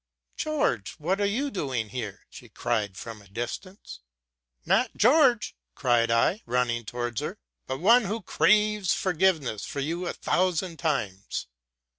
'' George, what are you doing here? "' she cried from a distance. 't Not George!'' cried I, run uing towards her, '* but one who craves your forgiveness A thousand times.